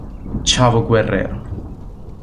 Chavo Guerrero